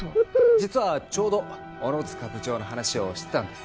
実はちょうど小野塚部長の話をしてたんです。